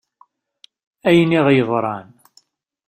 Ayen i ɣ-yeḍṛan.